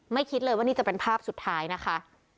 คิดเลยว่านี่จะเป็นภาพสุดท้ายนะคะ